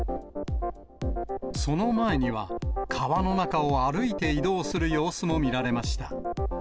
その前には、川の中を歩いて移動する様子も見られました。